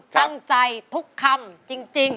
ตั้งใจทุกคำจริง